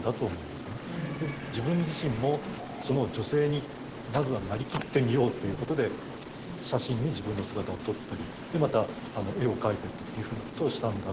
自分自身もその女性にまずはなりきってみようということで写真に自分の姿を撮ったりでまた絵を描いたりというふうなことをしたんだろうというふうには思います。